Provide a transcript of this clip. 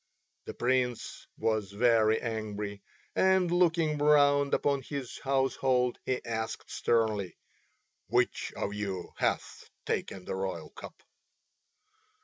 The Prince was very angry, and looking round upon his household he asked sternly, "Which of you hath taken the royal cup?"